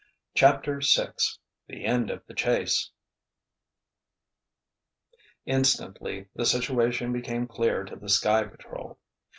CHAPTER VI THE END OF THE CHASE Instantly the situation became clear to the Sky Patrol.